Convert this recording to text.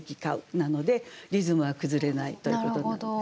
なのでリズムは崩れないということになります。